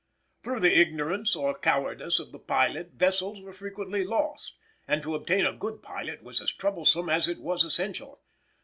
Through the ignorance or cowardice of the pilot vessels were frequently lost, and to obtain a good pilot was as troublesome as it was essential.